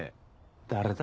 誰だ？